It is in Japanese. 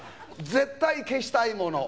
絶対消したいもの。